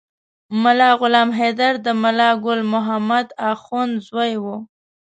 ملا غلام حیدر د ملا ګل محمد اخند زوی و.